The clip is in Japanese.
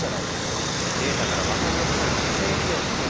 データから分かりやすそうな不正利用のケースを考える。